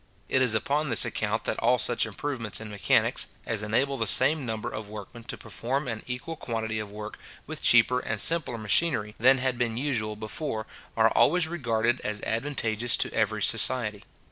It is upon this account that all such improvements in mechanics, as enable the same number of workmen to perform an equal quantity of work with cheaper and simpler machinery than had been usual before, are always regarded as advantageous to every society.